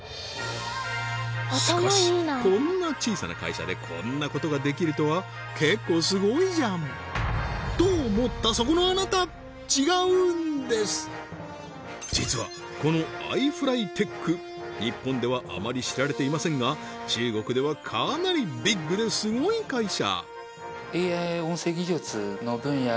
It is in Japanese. しかしこんな小さな会社でこんなことができるとは結構すごいじゃんと思ったそこのあなた実はこのｉＦＬＹＴＥＫ日本ではあまり知られていませんが中国ではかなりビッグですごい会社！